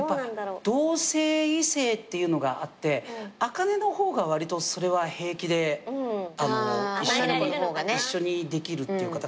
同性異性っていうのがあって茜の方がわりとそれは平気で一緒にできるっていうか。